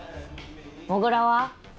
もぐらは？